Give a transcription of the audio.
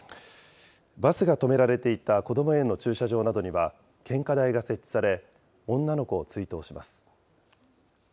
バスが止められていたこども園の駐車場などには、献花台が設置され、女の子を追悼します。